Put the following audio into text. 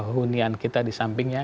hunian kita di sampingnya